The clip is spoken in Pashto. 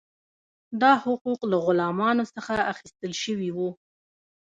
دا حقوق له غلامانو څخه اخیستل شوي وو.